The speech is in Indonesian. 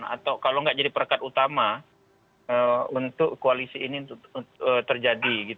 atau kalau nggak jadi perekat utama untuk koalisi ini terjadi